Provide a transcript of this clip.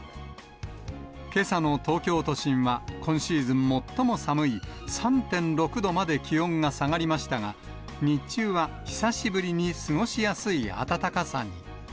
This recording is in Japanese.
けさの東京都心は今シーズン最も寒い３．６度まで気温が下がりましたが、日中は久しぶりに過ごしやすい暖かさに。